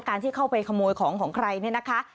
ที่เข้าไปขโมยของของใครเนี่ยนะคะ